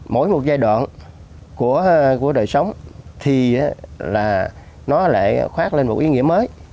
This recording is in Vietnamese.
mỗi một giai đoạn của đời sống thì là nó lại khoát lên một ý nghĩa mới